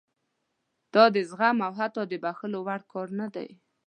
دا د زغم او حتی د بښلو وړ کار نه دی.